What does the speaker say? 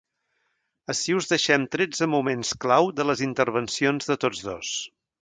Ací us deixem tretze moments clau de les intervencions de tots dos.